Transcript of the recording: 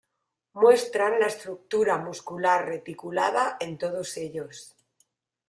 Muestran la estructura muscular reticulada en todos ellos.